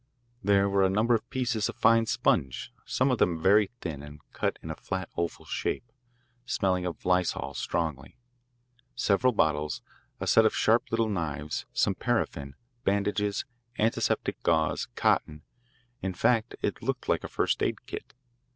There were a number of pieces of fine sponge, some of them very thin and cut in a flat oval shape, smelling of lysol strongly; several bottles, a set of sharp little knives, some paraffin, bandages, antiseptic gauze, cotton in fact, it looked like a first aid kit.